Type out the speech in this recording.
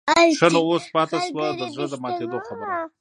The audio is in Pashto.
ښه نو اوس پاتې شوه د زړه د ماتېدو خبره.